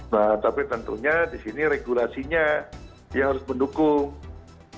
nah tapi tentunya di sini regulasinya dia harus mendukung